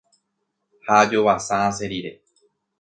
ha ajovasa asẽ rire